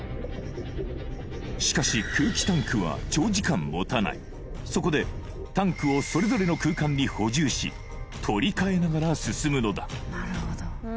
しかし空気タンクは長時間持たないそこでタンクをそれぞれの空間に補充し取り換えながら進むのだ